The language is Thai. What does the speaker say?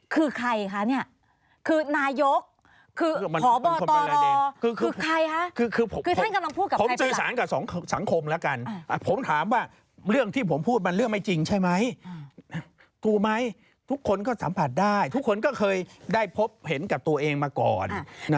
คือท่านกำลังพูดกับใครไปละผมจื้อสารกับสังคมแล้วกันผมถามว่าเรื่องที่ผมพูดมันเรื่องไม่จริงใช่ไหมถูกไหมทุกคนก็สัมผัสได้ทุกคนก็เคยได้พบเห็นกับตัวเองมาก่อน